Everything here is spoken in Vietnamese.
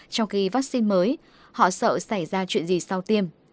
trong khi vaccine mới họ sợ xảy ra chuyện gì sau tiêm